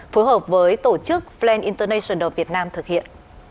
phối hợp với tổ chức flan international việt nam thực hiện